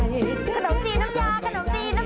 ขนมตีน้ำยาขนมตีน้ำยา